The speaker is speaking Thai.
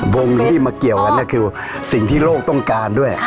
วงหนึ่งที่มาเกี่ยวกันก็คือสิ่งที่โลกต้องการด้วย